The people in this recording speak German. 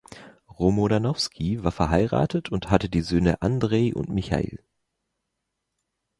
Romodanowski war verheiratet und hatte die Söhne Andrei und Michail.